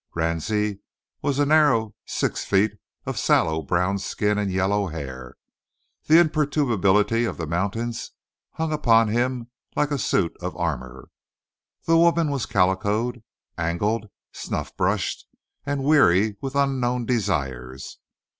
Ransie was a narrow six feet of sallow brown skin and yellow hair. The imperturbability of the mountains hung upon him like a suit of armour. The woman was calicoed, angled, snuff brushed, and weary with unknown desires.